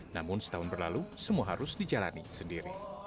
namun setahun berlalu semua harus dijalani sendiri